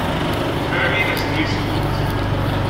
Fairlie has three schools.